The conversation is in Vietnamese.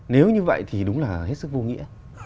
nếu như vậy thì đúng là hết sức vô nghĩa